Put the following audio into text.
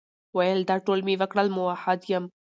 ویل دا ټول مي وکړل، مؤحد یم ،